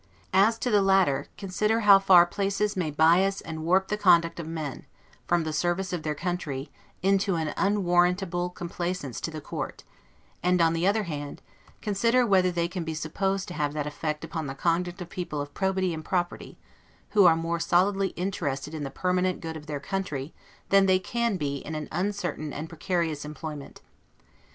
As to the latter, consider, how far places may bias and warp the conduct of men, from the service of their country, into an unwarrantable complaisance to the court; and, on the other hand, consider whether they can be supposed to have that effect upon the conduct of people of probity and property, who are more solidly interested in the permanent good of their country, than they can be in an uncertain and precarious employment.